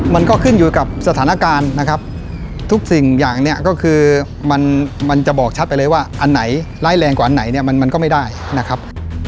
มันก็ขึ้นอยู่กับสถานการณ์นะครับทุกสิ่งอย่างเนี่ยก็คือมันมันจะบอกชัดไปเลยว่าอันไหนร้ายแรงกว่าอันไหนเนี่ยมันก็ไม่ได้นะครับ